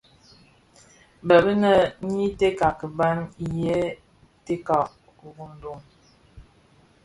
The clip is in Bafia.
Bêp inê i tèka kibàm yêê tèka kurundùng.